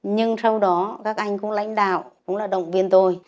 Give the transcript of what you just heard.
nhưng sau đó các anh cũng lãnh đạo cũng là động viên tôi